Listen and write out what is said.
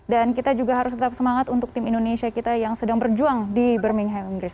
dan kita juga harus tetap semangat untuk tim indonesia kita yang sedang berjuang di birmingham inggris